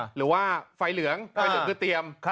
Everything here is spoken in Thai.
หรือว่าไฟเหลืองไฟเหลืองคือเตรียม